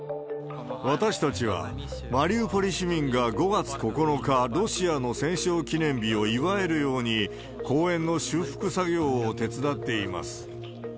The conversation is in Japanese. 私たちはマリウポリ市民が５月９日、ロシアの戦勝記念日を祝えるように、公園の修復作業を手伝っています。